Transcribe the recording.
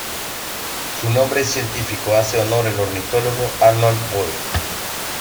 Su nombre científico hace honor al ornitólogo Arnold Boyd.